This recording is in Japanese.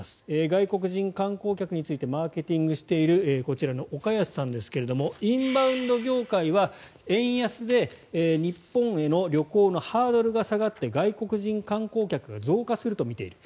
外国人観光客についてマーケティングしているこちらの岡安さんですがインバウンド業界は円安で日本への旅行のハードルが下がって外国人観光客が増加すると見ている。